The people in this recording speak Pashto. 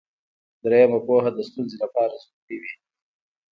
دریمه پوهه د ستونزې لپاره ضروري وي.